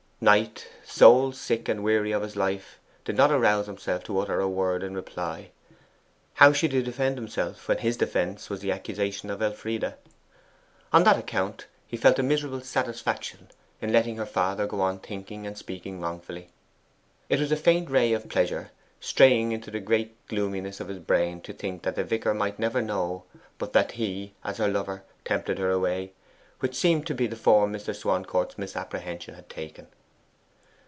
Knight, soul sick and weary of his life, did not arouse himself to utter a word in reply. How should he defend himself when his defence was the accusation of Elfride? On that account he felt a miserable satisfaction in letting her father go on thinking and speaking wrongfully. It was a faint ray of pleasure straying into the great gloominess of his brain to think that the vicar might never know but that he, as her lover, tempted her away, which seemed to be the form Mr. Swancourt's misapprehension had taken.